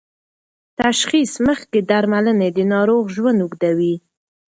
تشخیص مخکې درملنه د ناروغ ژوند اوږدوي.